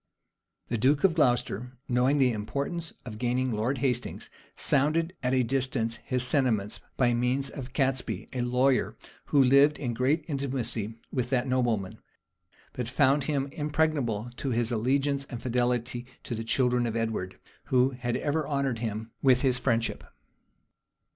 The duke of Glocester, knowing the importance of gaining Lord Hastings, sounded at a distance his sentiments, by means of Catesby, a lawyer, who lived in great intimacy with that nobleman; but found him impregnable in his allegiance and fidelity to the children of Edward, who had ever honored him with his friendship.